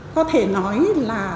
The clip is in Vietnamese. có thể nói là